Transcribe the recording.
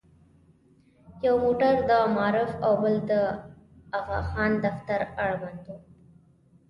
یو موټر د معارف او بل د اغاخان دفتر اړوند و.